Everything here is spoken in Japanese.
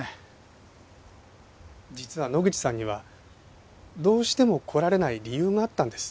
実は野口さんにはどうしても来られない理由があったんです。